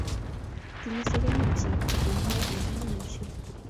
Tinyei sekemik chik kumiat ne anyiny ochei